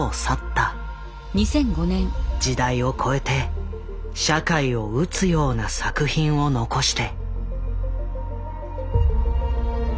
時代を超えて社会を撃つような作品を残して。